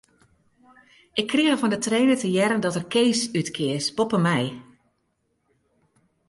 Ik krige fan 'e trainer te hearren dat er Kees útkeas boppe my.